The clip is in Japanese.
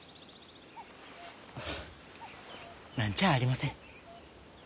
あ何ちゃあありません。